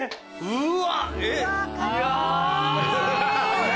うわ。